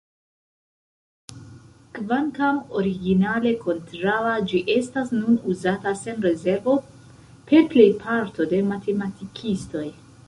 Kvankam originale kontraŭa, ĝi estas nun uzata sen rezervo per plejparto de matematikistoj.